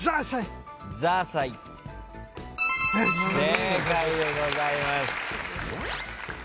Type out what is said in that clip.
正解でございます。